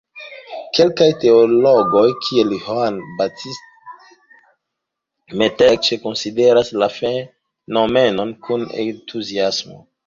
Kelkaj teologoj, kiel Johann Baptist Metz, eĉ konsideras la fenomenon kun entuziasmo.